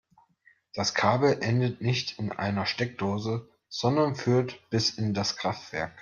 Das Kabel endet nicht in einer Steckdose, sondern führt bis in das Kraftwerk.